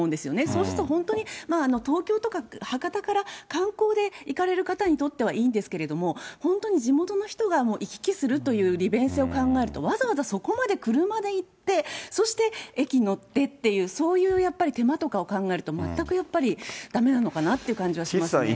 そうすると本当に、東京とか博多から観光で行かれる方にとってはいいんですけれども、本当に地元の人が行き来するという利便性を考えると、わざわざそこまで車で行って、そして駅に乗ってっていう、そういうやっぱり手間とかを考えると、全くやっぱりだめなのかなという気がしますね。